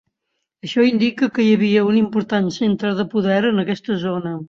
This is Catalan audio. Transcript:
Això indica que hi havia un important centre de poder en aquesta zona.